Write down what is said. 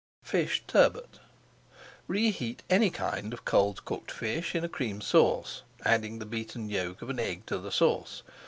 FISH TURBOT Reheat any kind of cold cooked fish in a Cream Sauce, adding the beaten yolk of an egg to the sauce.